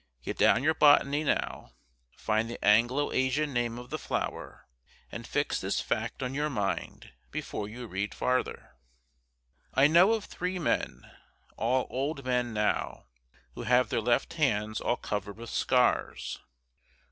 Get down your botany, now, find the Anglo Asian name of the flower, and fix this fact on your mind before you read further. I know of three men, all old men now, who have their left hands all covered with scars.